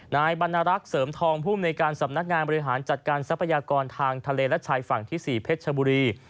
นายบรรณรักษ์เสริมทองภูมิในการสำนักงานบริหารจัดการทรัพยากรทางทะเลและชายฝั่งที่๔เพชรชบุรี